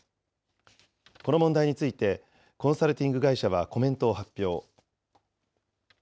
この問題について、コンサルティング会社はコメントを発表。